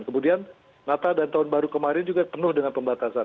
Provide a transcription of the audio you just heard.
kemudian natal dan tahun baru kemarin juga penuh dengan pembatasan